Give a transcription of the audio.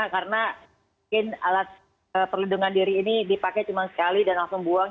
karena alat perlindungan diri ini dipakai cuma sekali dan langsung buang